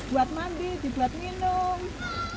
buat mandi dibuat minum